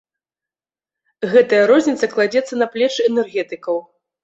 Гэтая розніца кладзецца на плечы энергетыкаў.